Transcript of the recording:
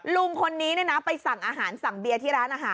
ลุงคนนี้ไปสั่งอาหารสั่งเบียร์ที่ร้านอาหาร